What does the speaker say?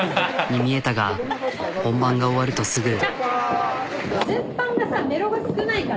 に見えたが本番が終わるとすぐ。